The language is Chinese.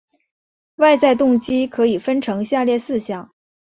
外在动机可以分成下列四项